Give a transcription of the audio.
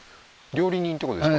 料理人ってことですか？